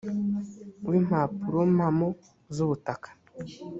w impapurompamo z ubutaka